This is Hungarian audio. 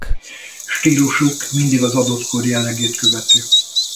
Stílusuk mindig az adott kor jellegét követi.